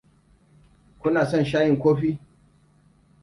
Kuna son sha'in kofi?